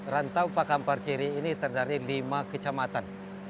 rantau pak kampar kiri ini terdiri lima kecamatan